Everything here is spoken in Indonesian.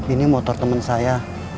ini motor temen saya